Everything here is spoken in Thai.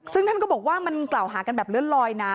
ซึ่งท่านก็บอกว่ามันกล่าวหากันแบบเลื่อนลอยนะ